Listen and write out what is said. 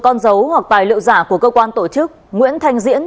con dấu hoặc tài liệu giả của cơ quan tổ chức nguyễn thanh diễn